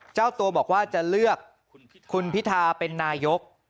เจ้าตัวบอกว่าจะเลือกคุณพิธาเป็นนายก